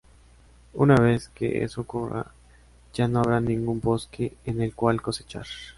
Una vez que eso ocurra, ya no habrá ningún bosque en el cual cosechar.